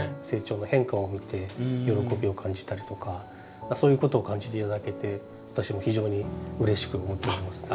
成長の変化を見て喜びを感じたりとかそういうことを感じて頂けて私も非常にうれしく思っております。